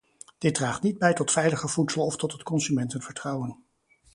Dit draagt niet bij tot veiliger voedsel of tot het consumentenvertrouwen.